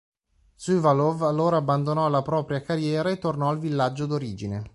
Šuvalov allora abbandonò la propria carriera e tornò al villaggio d'origine.